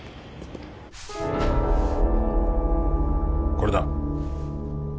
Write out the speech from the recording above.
これだ。